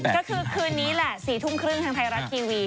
ก็คือคืนนี้แหละ๔ทุ่มครึ่งทางไทยรัฐทีวี